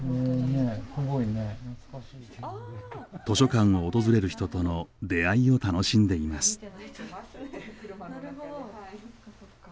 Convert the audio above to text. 図書館を訪れる人との出会いを楽しんでいます。